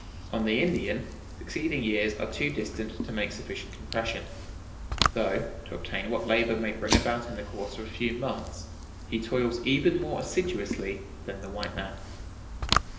On the Indian, succeeding years are too distant to make sufficient impression; though, to obtain what labor may bring about in the course of a few months, he toils even more assiduously than the white man."